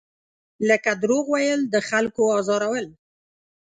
لکه دروغ ویل، د خلکو ازارول.